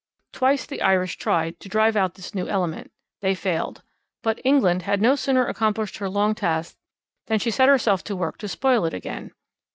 Twice the Irish ... tried ... to drive out this new element ... They failed. ... [But] England ... had no sooner accomplished her long task than she set herself to work to spoil it again.